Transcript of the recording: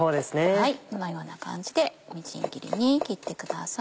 このような感じでみじん切りに切ってください。